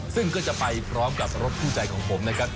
ซึ่งก็จะไปพร้อมกับรถคู่ใจของผมนะครับ